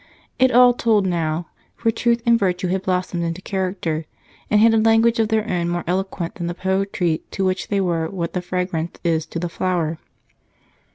It all told now, for truth and virtue had blossomed into character and had a language of their own more eloquent than the poetry to which they were what the fragrance is to the flower.